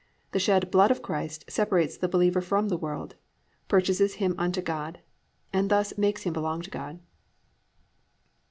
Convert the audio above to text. The shed blood of Christ separates the believer from the world, purchases him to God and thus makes him to belong to God.